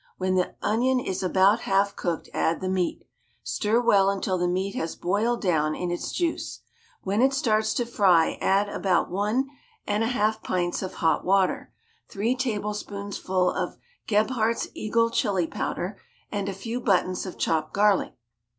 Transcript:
When the onion is about half cooked add the meat. Stir well until the meat has boiled down in its juice. When it starts to fry add about one and a half pints of hot water, three tablespoonsful of Gebhardt's Eagle Chili Powder and a few buttons of chopped garlic.